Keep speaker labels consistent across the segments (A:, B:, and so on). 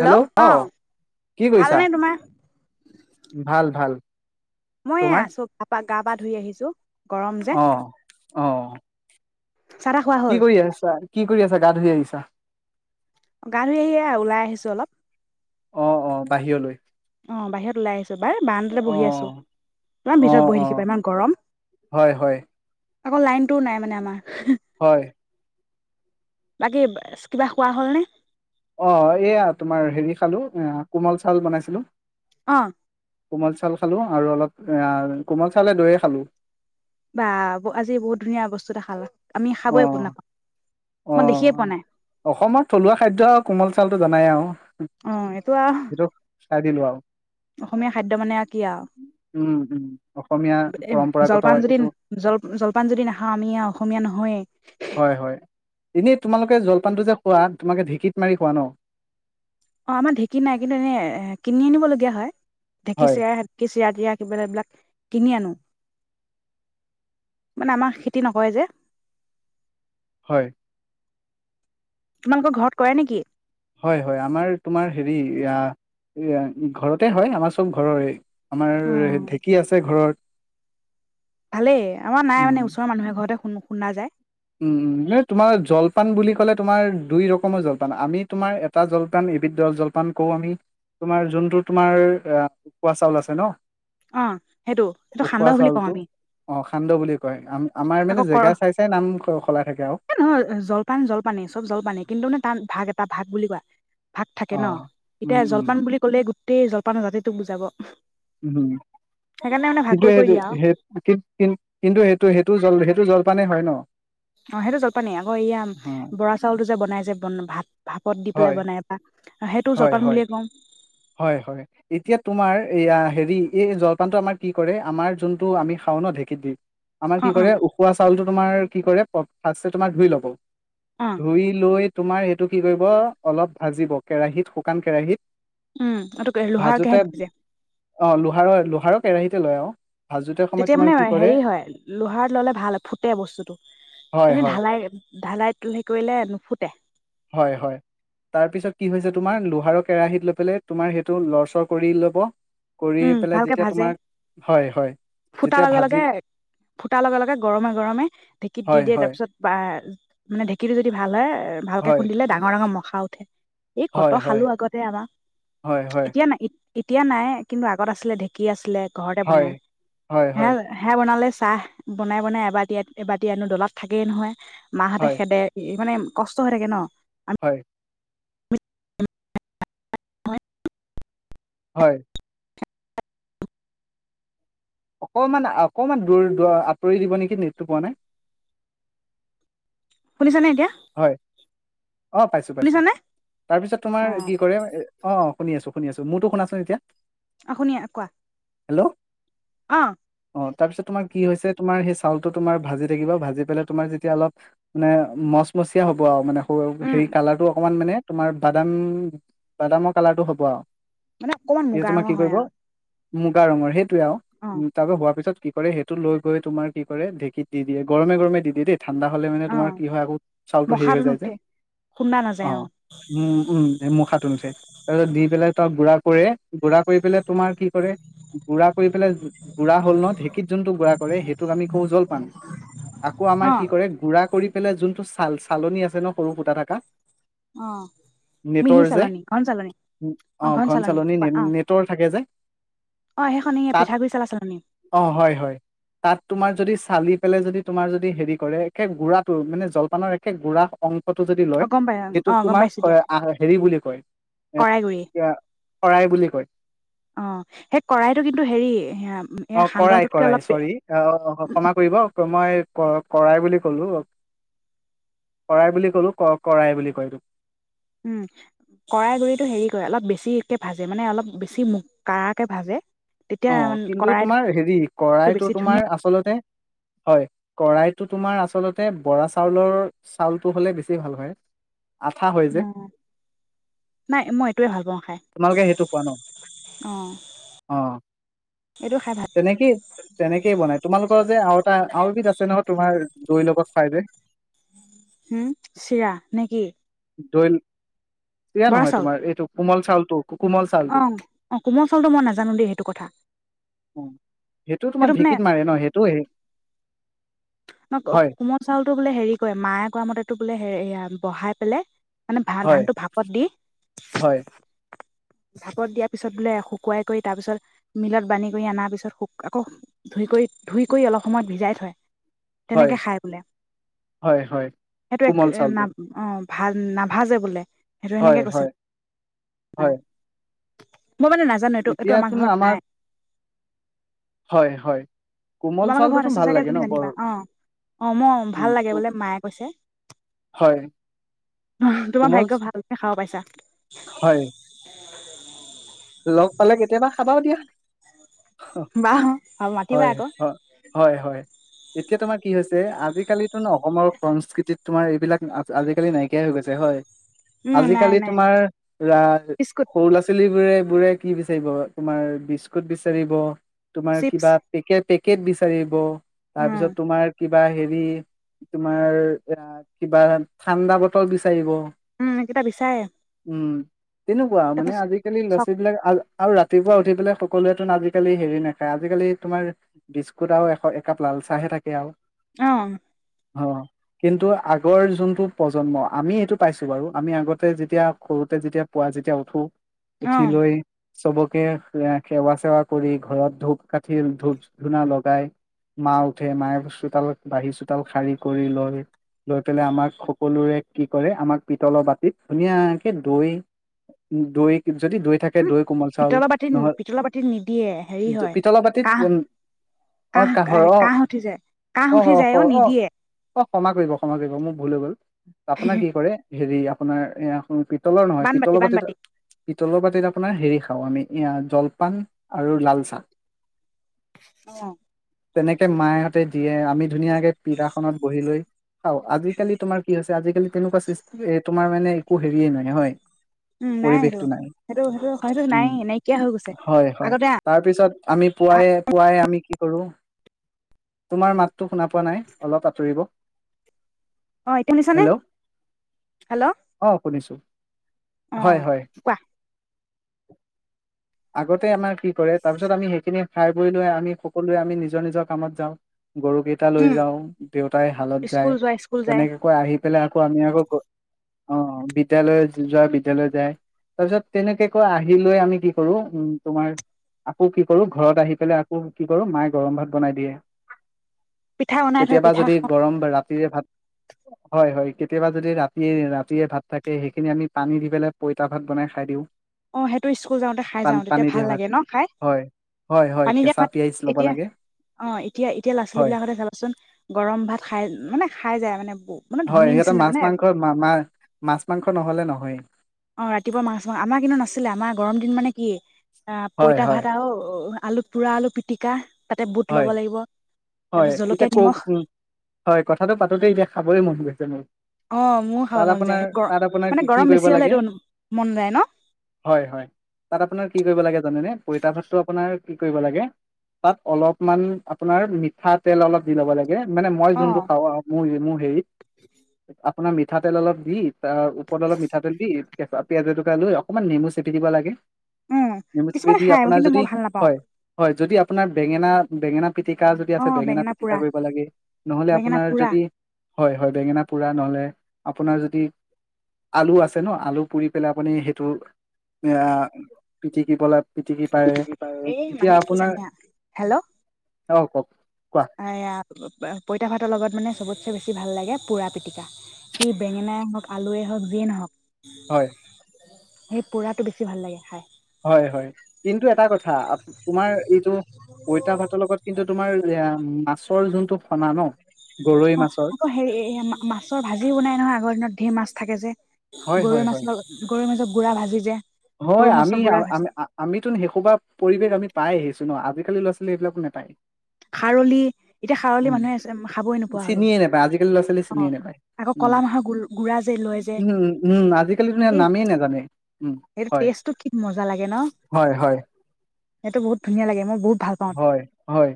A: Hello, অ, কি কৰিছা?
B: ভালনে তোমাৰ
A: ভাল ভাল।
B: মই
A: তোমাৰ
B: আছো গা পা গা পা ধুই আহিছো গৰম যে
A: অ অ
B: চাহ তাহ খোৱা
A: কি
B: হ'ল
A: কৰি আছা কি কৰি আছা গা ধুই আহিছা
B: গান ধুই আহিয়ে ওলাই আহিছো অলপ
A: অ অ বাহিৰলৈ
B: অ বাহিৰত ওলাই আহিছো বাৰ বানডতে
A: অ
B: বহি আছো ইমান
A: অ
B: ভিতৰত বহি
A: অ
B: থাকিবা ইমান গৰম
A: হয় হয়
B: আকৌ লাইনটোও নাই মানে আমাৰ
A: হয়
B: বাকী কিবা খোৱা হ'লনে
A: অ এয়া তোমাৰ হেৰি খালো কোমল চাউল বনাইছিলো
B: অ
A: কোমাল চাল খালো আৰু অলপ কোমল চে দৈয়ে খালো
B: বা আজি বহুত ধুনীয়া বস্তু দেখাল ল আমি
A: অ
B: খাবপোৰ নাপাওঁ
A: অ
B: মই দেখিয়ে পোৱা নাই
A: অসমৰ থলুৱা খাদ্য আৰু কোমল চাউটো জনাই আহ
B: অ এইটো
A: ত দিলো আৰু
B: অসমীয়া খাদ্য মানে আৰু কি আৰু
A: উম উম অসমীয়া
B: এ
A: পৰম্পৰাগত
B: জলপান যদি
A: এইটো
B: জল জলপান যদি নাখাওঁ আমি অসমীয়া নহয়েই
A: হয় হয় এনেই তোমালোকে জলপানটো যে খোৱা তোমালোকে ঢেঁকীত মাৰি খোৱা ন
B: অ আমাৰ ঢেঁকী নাই কিন্তু এনে কিনি আনিবলগীয়া হয়
A: হয়
B: ঢেঁিছোকিছে ৰা তি কিব এইবিলাক কিনি আনো মানে আমাৰ খেতি নকয় যে
A: হয়
B: তোমালোকৰ ঘৰত কৰা নেকি
A: হয় হয় আমাৰ তোমাৰ হেৰি ঘৰতে হয় আমাৰ চব ঘৰৰে আমাৰ
B: অ',
A: ঢেঁকী আছে ঘৰত
B: ভালেই আমাৰ নাই মানে
A: উম
B: ওচৰৰ মানুহে ঘৰতে শুন শুনা যায়
A: উম উম ন তোমাৰ জলপান বুলি ক'লে তোমাৰ দুই ৰকমৰ জলপান আমি তোমাৰ এটা জলপান এবিধ জলপান কওঁ আমি তোমাৰ যোনটো তোমাৰ উকোৱা চাউল আছে ন
B: অ সেইটো সেইটো
A: উখোৱা
B: সান্দহ বুলি কওঁ
A: চাউলতটো
B: আমি
A: অ সান্দ বুলি কয় আম আমাৰ মানে জেগা চাই চাই নাম সলাই থাকে আৰু
B: এই নহয় জলপান জলপানে চব জলপানে কিন্তু মানে তাত ভাগ এটা ভাত বুলি কোৱা ভাগ থাকে
A: অ
B: ন
A: উম
B: এতিয়া
A: উম
B: জলপান বুলি ক'লে গো তেই জলপান ৰাজে তোক বুজাব।
A: উম',
B: সেইকাৰণে মানে ভাগ
A: কিন্তু
B: কৰি
A: সেই
B: কৰি
A: -সেইটো
B: দিয়া আৰু
A: সেই কি কিন্তু সেইটো - সেইটো জল - সেইটো জল পানে হয় ন।
B: অহ', সেইটো জলপানী আকৌ এয়া বৰা চাউলটো যে বনাই যেন বন ভাত। ভাপত দি পেলাই
A: হয়
B: বনাই পা সেইটো জলপান বুলিয়ে কওঁ।
A: হয়-হয় এতিয়া তোমাৰ এইয়া হেৰি এই জলপানটো আমাৰ কি কৰে আমাৰ যোনটো আমি খাও ন ঢেঁকী দি আমাৰ
B: অ
A: কি
B: অ
A: কৰে উখোৱা চাউলটো তোমাৰ কি কৰে। ফাৰ্ষ্টতে তোমাৰ ধুই লব।
B: অ
A: ধুই লৈ তোমাৰ সেইটো কি কৰিব অলপ ভাজিব কেৰাহীত শুকান কেৰাহীত।
B: উম', এটো [unintelligible] লোহাৰ কেৰাহীত ভাজে।
A: অহ', লোহাৰ- লোহাৰৰ কেৰাহিতে লয় আৰু। ভাজোতে সময়ত
B: তেতিয়া
A: তোমাৰ
B: মানে
A: কি কৰে
B: হেৰি হয় লোহাৰত ললে ভাল ফুটে বস্তুটো।
A: হয়
B: এনেই
A: হয়
B: ঢালাই-ঢালাই হে কৰিলে নুফুটে।
A: হয়-হয় তাৰপিছত কি হৈছে তোমাৰ লোহাৰৰ কেৰাহিত লৈ পেলাই তোমাৰ সেইটো লৰচৰ কৰি ল'ব। কৰি
B: উম',
A: পেলাই
B: ভালকে
A: যেতিয়া
B: ভাজে
A: তোমাৰ হয় হয়
B: ফুটাৰ
A: যেতিয়া ভাজি
B: লগে-লগে ফুটাৰ লগে-লগে গৰমে-গৰমে ঢেকিত দি
A: হয়
B: দিয়ে তাৰ
A: হয়
B: পিছত বা মানে ঢেঁকীটো যদি ভাল হয়। ভালকে
A: হয়
B: খুন্দিলে ডাঙৰ-ডাঙৰ ম খা উঠে এই কত
A: হয়
B: খালো
A: হয়
B: আগতে আমাৰ
A: হয় হয়
B: এতিয়া নাই এতিয়া নাই। কিন্তু আগত আছিলে ঢেঁকী আছিলে। ঘৰতে
A: হয়
B: বনাই
A: হয় হয়
B: হে-হে বনালে। চাহ বনাই-বনাই এবাটি-এবাটি আনো দলত থাকেই নহয়। মাহঁতে
A: হয়
B: খেদে ই মানে। কষ্ট হৈ থাকে ন।
A: হয়। হয়। অকমান - অকমান দূৰ দ আঁতৰি দিব নেকি? নেটটো পোৱা নাই।
B: শুনিছে নে এতিয়া।
A: হয়। অহ', পাইছো-পাইছো
B: শুনিছানে
A: তাৰপিছত তোমাৰ
B: অ
A: কি কৰে অহ',। শুনি আছো - শুনি আছো মোৰটো শুনাচোন এতিয়া।
B: অহ', শুনি কোৱা।
A: হেল্ল',
B: অ।
A: অ', তাৰপিছত তোমাৰ কি হৈছে, তোমাৰ সেই চাউলটো তোমাৰ ভাজি থাকিবা, ভাজি পেলাই তোমাক যেতিয়া অলপ ম মচ মচিয়া হ'ব আও, মানে সৰু
B: উম
A: হেৰি কালাৰটো অকণমান মানে তোমাৰ বাদাম বাদামৰ কালাৰটো হ'ব আও।
B: মানে অকণমান মুগা ৰঙৰ হয় আৰু
A: মুগা ৰঙৰ, সেই টো আও,
B: অ
A: উম তাপা হোৱাৰ পিছত‌ তো কি কৰে, সেইটো লৈ গৈ তোমাৰ কি কৰে, ঢেঁকীত দি দিয়ে। গৰমে গৰমে দি দিয়ে দেই। ঠাণ্ডা হ'লে মানে
B: অ
A: তোমাৰ কি হয় আকৌ চাউল টো হেৰি
B: মখাটো
A: হৈ যায় যে
B: নুঠে খুন্দা নাযায় অ
A: [unintelligible] তাৰছত দি পেলে তই গুড়া কৰে গুড়া কৰি পেলাই তোমাৰ কি কৰে গুড়া কৰি পেলাই গুড়া হ'ল ন, ঢেঁকীত যোনটো গুড়া কৰে সেইটোক আমি কওঁ জলপান। আকৌ আমাৰ
B: অ
A: কি কৰে গুড়া কৰি পেলে যোনটো চাল-চালনী আছে ন সৰু ফুটা থাকা
B: অ মিহি
A: নেটৰ যে,
B: চালনী ঘন চালনী অ
A: অহ, ঘন চালনী
B: কোৱা অ
A: নে-নেটৰ থাকে যে,
B: অ সেইখন এই
A: তাত
B: পিঠাগুৰি চালা চালনী
A: অহ, হয় হয়, তাত তোমাৰ যদি চালি পেলে যদি তোমাৰ যদি হেৰি কৰে একে গুৰাটো মেনে জল খনৰ একে গুড়া অং
B: অহ গম পাই, অহ, গম পাইছোঁ দিয়া,
A: হেৰি বুলি কয় এ
B: কৰাইগুৰি।
A: শৰাই বুলি কয়
B: অহ, সেই কৰাইতটো কিন্তু হেৰি হম্
A: অহ, কৰাই কৰাই, চৰি অহ, ক্ষমা কৰিব। মই এহ ক-কৰাই বুলি ক'লো, কৰাই বুলি ক'লো, ক-কৰাই বুলি কয় ইটোক।
B: উম। কৰাই গুৰিটো হেৰি কৰে, অলপ বেছিকে ভাজে মানে অলপ বেছি মু কাৰাকে ভাজে। তেতিয়া
A: অহজ
B: মানে
A: কিন্তু
B: কৰাইটো
A: তোমাৰ হেৰি কৰাইতটো
B: বেছি
A: তোমাৰ
B: ধুনীয়া
A: আচলতে হয়, কৰা়ইটো তোমাৰ আচলতে বৰা চাউলৰ চাউলটো হ'লে বেছি ভাল হয়। আঠা হয়
B: ম।
A: যে
B: নাই মই এইটোৱে ভাল পাওঁ খাই।
A: তোমালোকে সেইটো খোৱা ন
B: অহ।
A: তেনেকে তেনেকেই বনায়। তোমালোকৰ যে আৰু এটা
B: ভাল
A: আৰু এবিধ আছে নহয় তোমাৰ দৈ লোকক ফাইদে
B: হম্, চিৰা নেকি?
A: দৈ [unintelligible] নহয় তোমাৰ, এইটো কোমল চাউলটো। কোমল
B: অ', অ কোমল চউলটো মই নাজানো দেই সেই
A: উম, সেইটো তোমাৰ ঢেকীত মাৰে ন, সেইটো হেৰি
B: ন কোমল চাউলটো বোলে হেৰি কৰে, মায়ে কোৱা মতে টো বোলে হে এয়া বহাই পেলাই মানে ভা
A: হয়
B: ধানটো ভাপত দি
A: হয়
B: ভাপত দিয়াৰ পিছত বোলে শুকুৱাই কৰি তাৰ পিছত মিলত বানী কৰি অনাৰ পিছত আকৌ ধুই কৰি ধুই কৰি অলপ সময় ভিজাই থয়।
A: হয়
B: তেনেকে খায় বোলে।
A: হয় হয়
B: সেইটো এক
A: কোমল
B: না
A: চাউলটো
B: অ'। ভা নাভাজে বোলে। হেটো
A: হয়
B: এনেকে কৈছে
A: হয় হয়
B: মই মানে নাজানো, এইটো এইটো আমাৰ
A: এতিয়াতো ন
B: ঘৰত নাই
A: হয়, হয়। কোমল
B: তোমালোকৰ
A: চাউলটোতো
B: ঘৰত আছে
A: ভাল
B: চাগে
A: লাগে ন
B: তুমি
A: বৰ
B: জানিবা, অ', অ মই
A: উম
B: ভাল লাগে বোলে মায়ে কৈছে।
A: হয়
B: তোমাৰ
A: কোমল
B: ভাগ্য ভাল, খাব পাইছা।
A: হয় লগ পালে কেতিয়াবা খাবাও দিয়া।
B: বাহ, আৰু মাতিবা
A: হয়
B: আকৌ।
A: হয় হয় হয় এতিয়া তোমাৰ কি হৈছে আজিকালিতো ন অসমৰ সংস্কৃতিত তোমাৰ এইবিলাক আজিকালি নাইকিয়াই হৈ গৈছে হয়।
B: উম, নাই
A: আজিকালি
B: নাই
A: তোমাৰ আহ,
B: বিস্কুট,
A: সৰু ল'ৰা ছোৱালীবোৰে বোৰে কি বিচাৰিব? তোমাৰ বিস্কুট বিচাৰিব। তোমাৰ
B: চিপছ
A: কিবা পেকেট পেকেট বিচাৰিব তাৰ
B: উম,
A: পিছত তোমাৰ কি কিবা হেৰি তোমাৰ এহ, কিবা ঠাণ্ডা বটল বিচাৰিব।
B: উম, এইকেইটা বিচাৰে।
A: উম। তেনেকুৱা মানে আজিকালি ল চ
B: চক
A: আৰু ৰাতিপুৱা উঠি পেলাই সকলোৱেতোন আজিকালি হেৰি নাখায়, আজিকালি তোমাৰ বিস্কুট আৰু এক-একাপ লাল চাহে থাকে আৰু।
B: অহ।
A: অ হ, কিন্তু আগৰ যোনটো প্ৰজন্ম, আমি এইটো পাইছো বাৰু। আমি আগতে যেতিয়া সৰুতে যেতিয়া পোৱা যেতিয়া উঠোঁ
B: অ',
A: হিলৈ সবকে এহ, সেৱা-চেৱা কৰি ঘৰত ধূপ কাঠি, ধূপ ধূনা লগাই, মা উঠে। মায়ে চোতাল বাঢ়ি, চোতাল শাৰী কৰি লয়, লৈ পেলাই আমাক সকলোৰে কি কৰে আমাক পিতলৰ বাতিত ধুনীয়াকে দৈ, দৈ যদি দৈ থাকে
B: উম,
A: দৈ কোমল চাউল
B: পিতলৰ বাতিত,
A: নহয়
B: পিতলৰ বাতিত নিদিয়ে। হেৰি
A: জ-
B: হয়
A: পিতলৰ বাতিত
B: কাঁহ,
A: উম, অ
B: কাঁহ,
A: কাঁহৰ
B: এহ,
A: অ
B: কাঁহ উঠি যায়, কাঁহ উঠি যায় অ নিদিয়ে।
A: অহ, ক্ষমা কৰিব ক্ষমা কৰিব। মোৰ ভুল হৈ গ'ল। আপোনাৰ কি কৰে? হেৰি আপোনাৰ এয়া সও পিত তলৰ নহয়,
B: বানবাতি
A: পিতলৰ বাতি
B: বানবাতি
A: পিতলৰ বাতিত আপোনাৰ হেৰি খাওঁ আমি, এয়া জলপান আৰু লাল চাহ।
B: অ'
A: তেনেকে মায়হঁতে দিয়ে, আমি ধুনীয়াকে পিৰাখনত বহি লৈ খাওঁ। আজিকালি তোমাৰ কি হৈছে আজিকালি তেনেকুৱা চিচ তোমাৰ মানে একো হেৰিয়ে নাই, হয়?
B: উম নাই সেইটো। সেইটো সেইটো হয়তু
A: উম
B: নাইয়ে, নাইকিয়া হৈ গৈছে।
A: হয় হয়
B: আগতে
A: তাৰপিছত আমি পুৱাই পুৱাই আমি কি কৰোঁ, তোমাৰ মাতটো শুনা পোৱা নাই, অলপ আঁতৰিব
B: অ এতিয়া শুনিছানে?
A: হেল্ল'
B: হেল্ল',
A: অ শুনিছো হয়
B: অ',
A: হয়
B: কোৱা।
A: আগতে আমাৰ কি কৰে তাৰ পিছত আমি সেইখিনি খাই বৈ লৈ আমি সকলোৱে আমি নিজৰ নিজৰ কামত যাওঁ। গৰু কেইটা লৈ
B: উম,
A: যাওঁ, দেউতাই হালত যায়,
B: স্কুল যোৱা স্কুল যায়
A: তেনেকে কৈ আহি পেলাই আকৌ আমি আকৌ অ বিদ্যালয়ত যোৱা বিদ্যালয় যায়, তাৰপিছত তেনেকে কৈ আহিলৈয়ে আমি কি কৰো, উম, তোমাৰ আকৌ কি কৰো ঘৰত আহি পেলাই আকৌ কি কৰো মায়ে গৰম ভাত বনাই দিয়ে
B: পিঠা বনাই থয়
A: কেতিয়াবা
B: পিঠা
A: যদি গৰম বা ৰাতিৰে ভাত হয়, হয় কেতিয়াবা যদি ৰাতিৰ ৰাতিৰে ভাত থাকে সেইখিনি আমি পানী দি পেলাই পঁইতা ভাত বনাই খাই দিওঁ।
B: অ সেট ত স্কুল যাওঁতে খাই
A: পান
B: যাওঁ
A: পানী
B: তেতিয়া ভাল
A: দিয়া ভাত
B: লাগে ন খাই?
A: হয় হয় হয়
B: পানী দিয়া
A: কেঁচা
B: ভাত
A: পিয়াজ ল'ব
B: এতিয়া
A: লাগে
B: অ এতিয়া এতিয়া ল'ৰা ছোৱালী
A: হয়
B: বিলাকলে চাবাচোন গৰম ভাত খাই, মানে খাই যায়, মানে মানে
A: হয়,
B: ধনী
A: সিহঁতে
B: নিচিনা মানে
A: মাছ-মাংস, মা-মাৰ মাছ-মাংস নহ'লে নহয়েই।
B: অ', ৰাতিপুৱা মাছ-মা, আমাৰ কিন্তু নাছিলে। আমাৰ গৰম দিন, মানে, কি আ,
A: হয়
B: পঁইতা
A: হয়
B: ভাত আৰু আলু পোৰা, আলু পিটিকা তাতে বুট ল'ব
A: হয়,
B: লাগিব তাৰ
A: হয়।
B: পিছত
A: এতিয়া
B: জলকীয়া নিমখ
A: কওকচোন। হয়, কথাটো পাতোঁতেই এতিয়া খাবই মন গৈছে মোৰ।
B: অ মোৰ খাব
A: তাত
B: মন যায়
A: আপোনাৰ,
B: গ
A: তাত আপোনাৰ
B: মানে
A: কি
B: গৰম
A: কৰিব
B: বেছি হলে
A: লাগে?
B: এইটো মন যায় ন
A: হয়, হয়। তাত আপোনাৰ কি কৰিব লাগে? জানেনে, পঁইতা ভাতটো আপোনাৰ কি কৰিব লাগে? তাত অলপ মানে, আপোনাৰ মিঠাতেল অলপ দি ল'ব লাগে গে, মানে, মই
B: অ
A: যোনটো খাওঁ আৰু মোৰ এই মোৰ সেই [inaudible] আপোনাৰ মিঠাতেল অলপ দি তাৰ ওপৰত অলপ মিঠাতেল দি কেঁচা পিয়াঁজ এটুকুৰা লৈ অকণমান নেমু চেপি দিব লাগে
B: উম
A: নেমু চেপি
B: কিছুমানে
A: দি।
B: খাই
A: আপোনাৰ
B: কিন্তু
A: যদি,
B: মই ভাল নাপাওঁ
A: হয়, হয়, যদি আপ আপোনাৰ বেঙেনা বেঙেনা পিটিকা যদি
B: অ
A: আছে, বেঙেনা পিটিকা
B: পোৰা
A: কৰিব লাগে। নহ'লে
B: বেঙেনা
A: আপোনাৰ
B: পোৰা
A: যদি হয়, হয়, বেঙেনা পোৰা, নহ'লে আপোনাৰ যদি আলু আছে, ন? আলু পুৰি পেলাই আপুনি সেইটো আ, পিটিকিবলে
B: পিটিকি পাৰে। এই মানে কি জানে? হেল্ল'!
A: অ' কওক। কোৱা
B: এয়া, বা, পা, পঁইতা ভাতৰ লগত মানে সবত [unintelligible] বেছি ভাল লাগে পুৰা, পিটিকা। সি বেঙেনাই হওঁক, আলুৱে হওঁক যিয়ে নহওঁক।
A: হয়।
B: সেই পোৰাটো বেছি ভাল লাগে খাই।
A: হয়, হয় কিন্তু এটা কথা তোমাৰ এইটো পঁইতা ভাতৰ লগত কিন্তু তোমাৰ মাছৰ যোনটো ফনা ন গৰৈ
B: অ'
A: মাছৰ
B: আকৌ হে মাছৰ ভাজি বনাই নহয় আগৰ দিনত ধেৰ মাছ থাকে যে
A: হয়
B: গৰৈৰ
A: হয় হয়
B: মাছৰ গৰৰ মাছত গুড়াভাজি যে সৰু
A: হয়
B: মাছৰ
A: আমি আ
B: গুড়া ভাজি
A: আমিতো শেষোবা পৰিৱেশ আমি পাই আহিছো ন আজিকালি ল'ৰা ছোৱালী এইবিলাক নাপায়।
B: খাৰলি এতিয়া খাৰলি মানুহে খাবই নোপোৱা হলো
A: চিনিয়ে নোপায় আজিকালি ল'ৰা ছোৱালী
B: আহ
A: চিনিয়ে নোপায়
B: আকৌ
A: উম
B: কলা মাহৰ গ গুৰা যে লয় যে
A: উম উম আজিকালি
B: এই
A: নামেই নাজানে উম
B: সটো
A: হয়
B: টষ্টটো কি মজা লাগে ন।
A: হয় হয়
B: সেই বহু ধুনীয়া লাগেই বুত
A: হয়, হয়,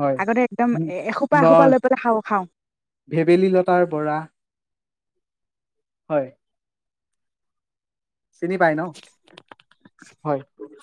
A: হয়
B: আগতে একদম এসোপা
A: ন
B: এসোপা লৈ পেলাই খাওঁ খাওঁ
A: ভেবেলী লতাৰ বৰা হয়। চিনি পাই ন হয়।